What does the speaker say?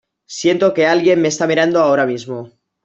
Siento que alguien me está mirando ahora mismo.